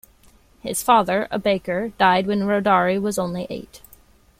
His father, a baker, died when Rodari was only eight.